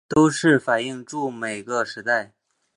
都是反映著每个时代